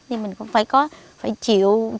thì mình cũng phải có phải chịu một cái hướng mới